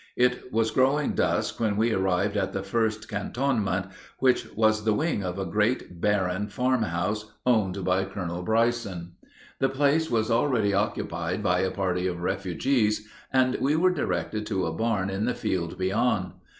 It was growing dusk when we arrived at the first cantonment, which was the wing of a great barren farm house owned by Colonel Bryson. The place was already occupied by a party of refugees, and we were directed to a barn in the field beyond.